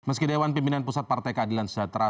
meski dewan pimpinan pusat partai keadilan sejahtera